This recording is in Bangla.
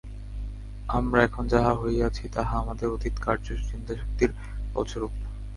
আমরা এখন যাহা হইয়াছি, তাহা আমাদের অতীত কার্য ও চিন্তাশক্তির ফলস্বরূপ।